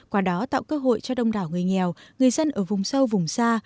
qua đó tạo cơ hội cho đông đảo người nghèo người dân ở vùng sâu vùng xa